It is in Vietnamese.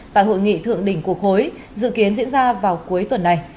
tại hội nghị thượng đỉnh cuộc hối dự kiến diễn ra vào cuối tuần này